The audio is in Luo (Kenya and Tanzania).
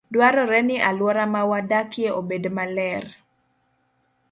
Dwarore ni alwora ma wadakie obed maler.